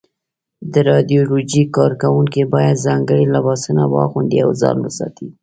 د رادیالوجۍ کارکوونکي باید ځانګړي لباسونه واغوندي او ځان وساتي.